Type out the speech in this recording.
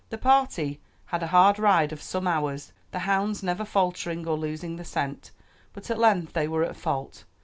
The party had a hard ride of some hours, the hounds never faltering or losing the scent; but at length they were at fault.